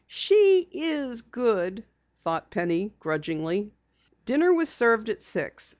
"She is good," thought Penny, grudgingly. Dinner was served at six.